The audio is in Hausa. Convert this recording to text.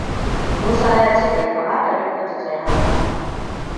Musa ya ce bai kamata Rifkatu ta yi hakan ba.